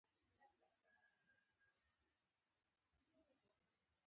سوالګر ته د انسان سترګې مهمې دي